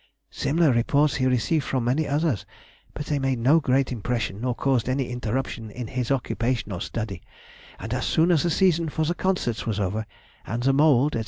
Similar reports he received from many others, but they made no great impression nor caused any interruption in his occupation or study, and as soon as the season for the concerts was over, and the mould, &c.